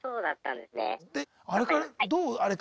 であれからどう？